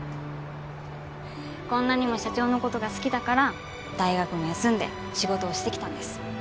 こんなにも社長の事が好きだから大学も休んで仕事をしてきたんです。